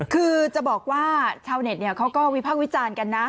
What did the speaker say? คือจะบอกว่าชาวเน็ตเขาก็วิพากษ์วิจารณ์กันนะ